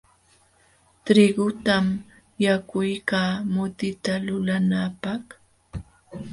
Trigutam yakuykaa mutita lulanaapaq.